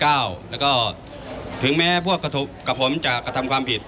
แล้วก็ถึงแม้พวกกับผมจะกระทำความผิด